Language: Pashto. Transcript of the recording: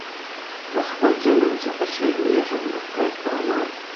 له خپل جنون څخه شرمېږمه د خدای په امان